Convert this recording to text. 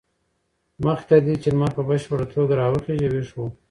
مخکې تر دې چې لمر په بشپړه توګه راوخېژي ویښ و.